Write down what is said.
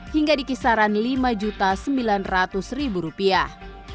hingga di kisaran lima sembilan ratus rupiah